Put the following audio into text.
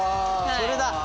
それだ。